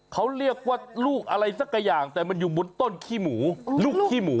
เขาเรียกว่าลูกอะไรสักอย่างแต่มันอยู่บนต้นขี้หมูลูกขี้หมู